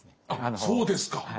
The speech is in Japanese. あっそうですか。